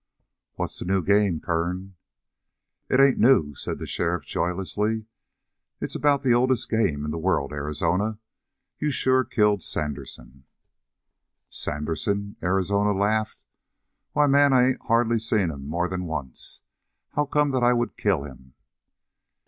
"What's the new game, Kern?" "It ain't new," said the sheriff joylessly. "It's about the oldest game in the world. Arizona, you sure killed Sandersen." "Sandersen?" Arizona laughed. "Why, man, I ain't hardly seen him more than once. How come that I would kill him?"